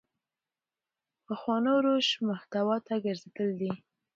پخوانو روش محتوا ته ګرځېدل دي.